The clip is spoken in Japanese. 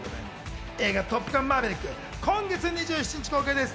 映画『トップガンマーヴェリック』は今月２７日公開です。